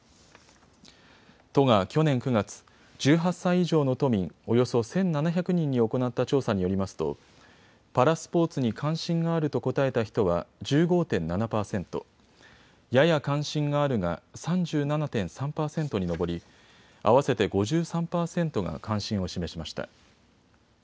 都が去年９月、１８歳以上の都民およそ１７００人に行った調査によりますとパラスポーツに関心があると答えた人は１５．７％、やや関心があるが３７．３％に上り合わせて５３％が関心を示しました。